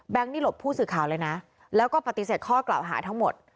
นี่หลบผู้สื่อข่าวเลยนะแล้วก็ปฏิเสธข้อกล่าวหาทั้งหมด